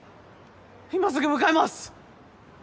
今すぐ向かいます！